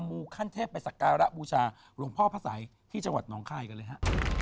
มูขั้นเทพไปสักการะบูชาหลวงพ่อพระสัยที่จังหวัดหนองคายกันเลยฮะ